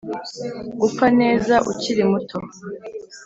gupfa neza ukiri muto